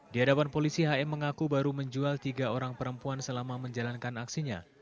di hadapan polisi hm mengaku baru menjual tiga orang perempuan selama menjalankan aksinya